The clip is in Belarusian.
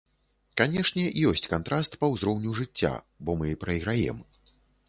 Канешне, ёсць кантраст па ўзроўню жыцця, бо мы прайграем.